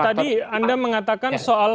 tadi anda mengatakan soal